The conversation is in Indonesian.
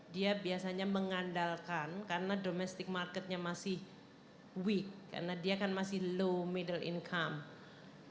dia biasanya mengandalkan karena domestic marketnya masih week karena dia kan masih low middle income